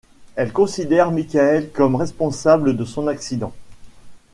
Elle considère Michael comme responsable de son accident.